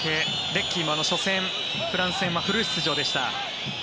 レッキーも初戦、フランス戦はフル出場でした。